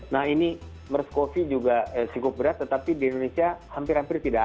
nah ini mers coffee juga cukup berat tetapi di indonesia hampir hampir tidak ada